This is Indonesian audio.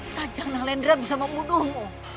sancang nalendra bisa membunuhmu